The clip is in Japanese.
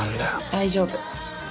大丈夫。